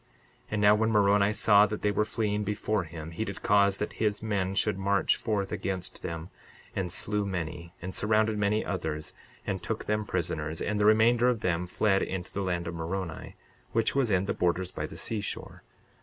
62:25 And now when Moroni saw that they were fleeing before him, he did cause that his men should march forth against them, and slew many, and surrounded many others, and took them prisoners; and the remainder of them fled into the land of Moroni, which was in the borders by the seashore.